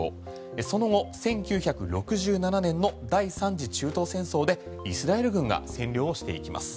その後、１９６７年の第３次中東戦争でイスラエル軍が占領していきます。